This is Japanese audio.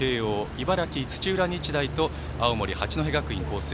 茨城、土浦日大と青森、八戸学院光星。